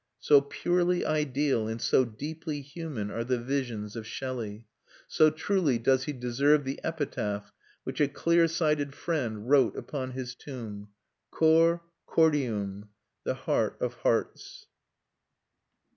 So purely ideal and so deeply human are the visions of Shelley. So truly does he deserve the epitaph which a clear sighted friend wrote upon his tomb: cor cordium, the heart of hearts.